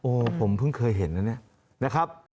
โอ้ผมเพิ่งเคยเห็นนี่นะครับ